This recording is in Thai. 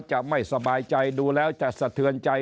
จะไม่สบายใจดูแล้วจะสะเทือนใจ